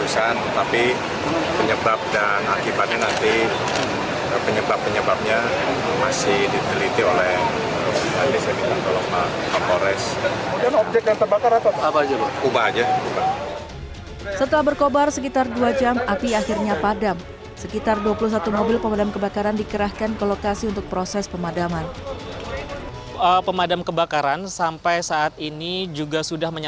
setelah berkobar sekitar dua jam api akhirnya padam